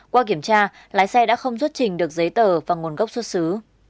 qua kiểm tra lái xe đã không xuất trình được giấy tờ và nguồn gốc xuất xứ